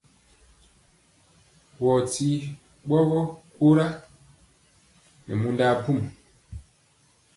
Wɔɔ ti ɓo gwora nɛ mundɔ abum.